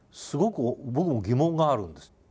すごく僕も疑問があるんです。